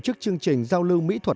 cho những người tuyệt vời